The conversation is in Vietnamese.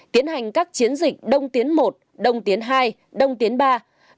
tiến hành các chiến dịch đông tiến i đông tiến ii đông tiến iii